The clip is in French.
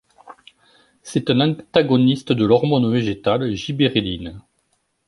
C'est un antagoniste de l'hormone végétale gibbérelline.